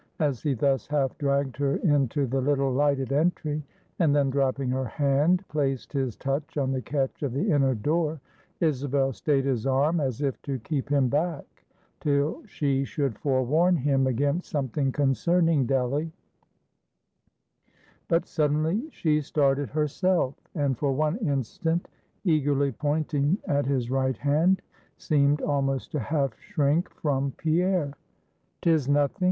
As he thus half dragged her into the little lighted entry, and then dropping her hand, placed his touch on the catch of the inner door, Isabel stayed his arm, as if to keep him back, till she should forewarn him against something concerning Delly; but suddenly she started herself; and for one instant, eagerly pointing at his right hand, seemed almost to half shrink from Pierre. "'Tis nothing.